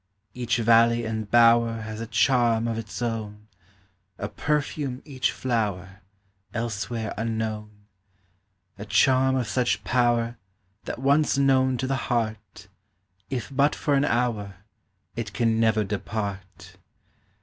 Each valley and bower Has a charm of its own; A perfume each flower, Elsewhere unknown; A charm of such power That once known to the heart, If but for an hour, It can never depart.